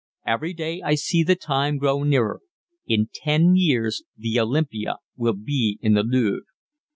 Every day I see the time grow nearer. In ten years the Olympia will be in the Louvre."